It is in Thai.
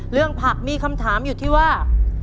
เรื่องผักมีคำถามอยู่ที่ว่า